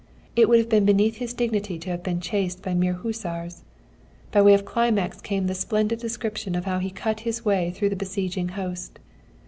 It would have been beneath his dignity to have chased mere hussars.... By way of climax came the splendid description of how he cut his way through the besieging host.